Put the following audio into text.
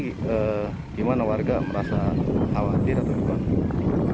gimana warga merasa khawatir atau gimana